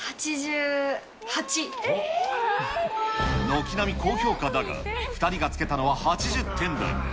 軒並み高評価だが、２人がつけたのは８０点台。